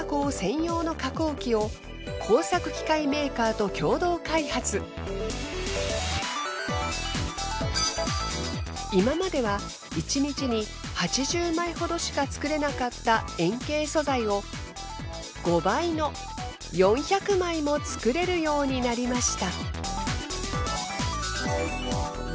進化の早い今までは１日に８０枚ほどしか作れなかった円形素材を５倍の４００枚も作れるようになりました。